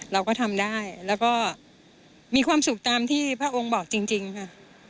เราก็ทำได้แล้วก็มีความสุขตามที่พระองค์บอกจริงค่ะ